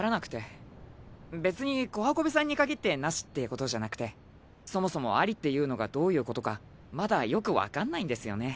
別に小繁縷さんに限ってなしってことじゃなくてそもそもありっていうのがどういうことかまだよく分かんないんですよね。